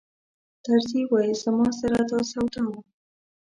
طرزي وایي زما سره دا سودا وه.